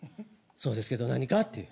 そうですけど何かって言う。